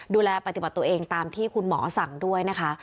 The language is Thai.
ดูแลปฏิบัติตัวเองตามที่คุณหมอสั่งด้วยนะคะ